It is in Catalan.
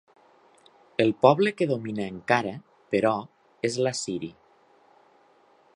El poble que domina encara, però, és l'assiri.